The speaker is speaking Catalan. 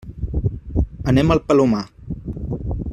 Anem al Palomar.